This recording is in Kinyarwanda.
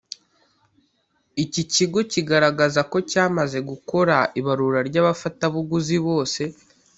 Iki kigo kigaragaza ko cyamaze gukora ibarura ry’abafatabuguzi bose